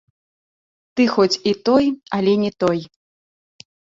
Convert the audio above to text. Ты хоць і той, але не той.